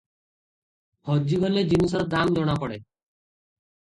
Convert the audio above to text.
ହଜିଗଲେ ଜିନିଷର ଦାମ ଜଣା ପଡ଼େ ।